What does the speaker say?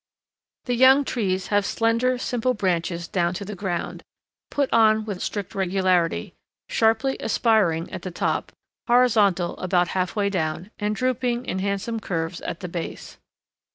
The young trees have slender simple branches down to the ground, put on with strict regularity, sharply aspiring at the top, horizontal about half way down, and drooping in handsome curves at the base.